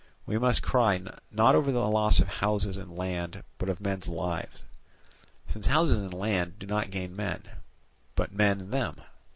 We must cry not over the loss of houses and land but of men's lives; since houses and land do not gain men, but men them.